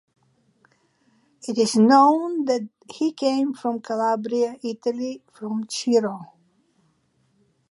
It is known that he came from Calabria, Italy, from Ciro.